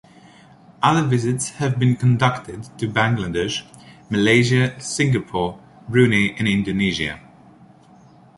Other visits have been conducted to Bangladesh, Malaysia, Singapore, Brunei, and Indonesia.